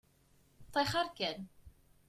Ṭṭixer kan.